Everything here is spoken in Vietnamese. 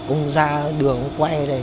ông ra đường quay